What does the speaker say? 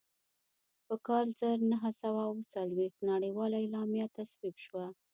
په کال زر نهه سوه اووه څلوېښت نړیواله اعلامیه تصویب شوه.